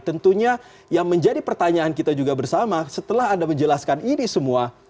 tentunya yang menjadi pertanyaan kita juga bersama setelah anda menjelaskan ini semua